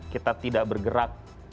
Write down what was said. kita tidak bergerak